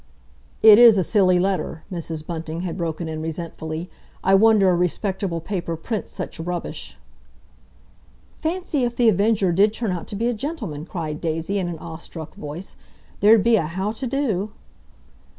"It is a silly letter," Mrs. Bunting had broken in resentfully. "I wonder a respectable paper prints such rubbish." "Fancy if The Avenger did turn out to be a gentleman!" cried Daisy, in an awe struck voice. "There'd be a how to do!"